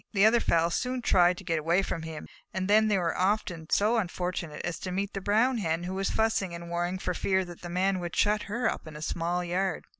The other fowls soon tried to get away from him, and then they were often so unfortunate as to meet the Brown Hen, who was fussing and worrying for fear the Man would shut her up in a small yard.